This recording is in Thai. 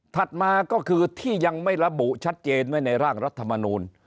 มาก็คือที่ยังไม่ระบุชัดเจนไว้ในร่างรัฐมนูล